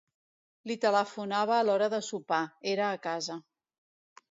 Li telefonava a l'hora de sopar, era a casa.